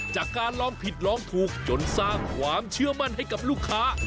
จากการลองผิดลองถูกจนสร้างความเชื่อมั่นให้กับลูกค้า